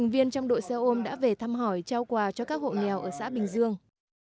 viên trong đội xe ôm đã về thăm hỏi trao quà cho các hộ nghèo ở xã bình dương